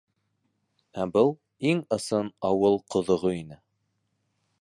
Ә был иң ысын ауыл ҡоҙоғо ине.